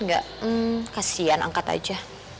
ga hmmm kasian angkat aja